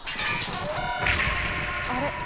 あれ？